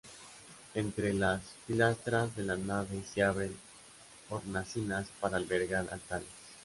Entre las pilastras de la nave se abren hornacinas para albergar altares.